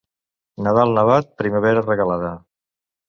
Nadal nevat, primavera regalada.